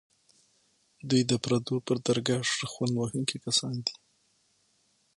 دوی د پردو پر درګاه شخوند وهونکي کسان دي.